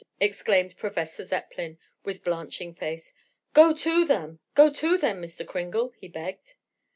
exclaimed Professor Zepplin, with blanching face. "Go to them, go to them, Mr. Kringle!" he begged.